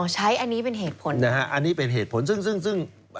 ใช้อันนี้เป็นเหตุผลนะฮะอันนี้เป็นเหตุผลซึ่งซึ่งซึ่ง